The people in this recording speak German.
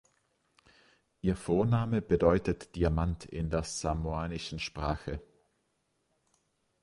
Ihr Vorname bedeutet "Diamant" in der samoanischen Sprache.